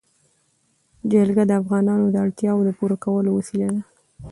جلګه د افغانانو د اړتیاوو د پوره کولو وسیله ده.